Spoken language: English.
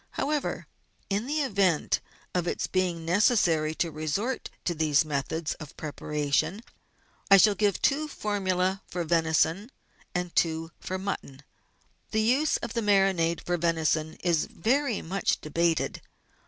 How ever, in the event of its being necessary to resort to these methods of preparation, I shall give two formulae for venison and two for mutton. The use of the marinade for venison is very much debated.